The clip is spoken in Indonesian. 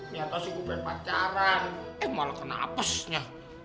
nyata sih gue pengen pacaran eh malah kena apesnya